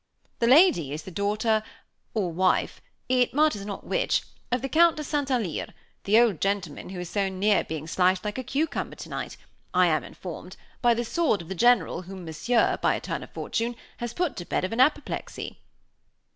"The lady is the daughter or wife, it matters not which, of the Count de St. Alyre the old gentleman who was so near being sliced like a cucumber tonight, I am informed, by the sword of the general whom Monsieur, by a turn of fortune, has put to bed of an apoplexy."